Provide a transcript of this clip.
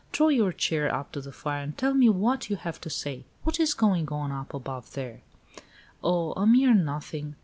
Draw your chair up to the fire and tell me what you have to say. What is going on up above there?" "Oh, a mere nothing!